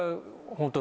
ホントに！